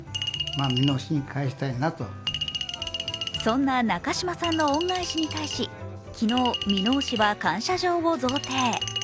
そんな中嶋さんの恩返しに対し昨日、箕面市は感謝状を贈呈。